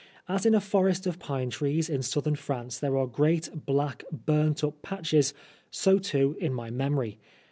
As in a forest of pine trees in Southern France there are great black, burnt up patches, so too in my memory.